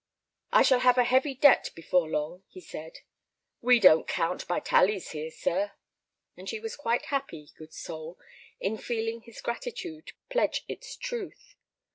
"I shall have a heavy debt before long," he said. "We don't count by tallies here, sir." And she was quite happy, good soul, in feeling his gratitude pledge its truth.